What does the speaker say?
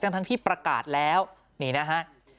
ทั้งที่ประกาศแล้วนี่นะฮะ